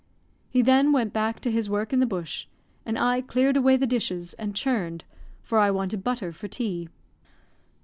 He then went back to his work in the bush, and I cleared away the dishes, and churned, for I wanted butter for tea.